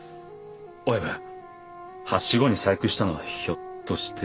親分ハシゴに細工したのはひょっとして。